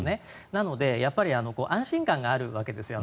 なので、やっぱり安心感があるわけですね。